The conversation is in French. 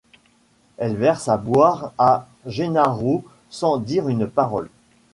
Elle verse à boire à Gennaro sans dire une parole.